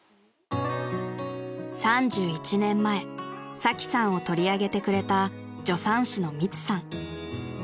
［３１年前サキさんを取り上げてくれた助産師のミツさん］